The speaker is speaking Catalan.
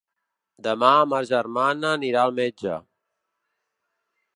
Demà ma germana anirà al metge.